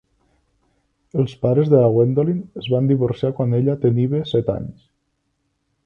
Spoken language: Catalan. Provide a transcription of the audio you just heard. Els pares de la Gwendolyn es van divorciar quan ella tenia set anys.